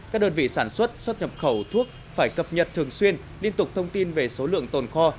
các đơn vị sản xuất xuất nhập khẩu thuốc phải cập nhật thường xuyên liên tục thông tin về số lượng tồn kho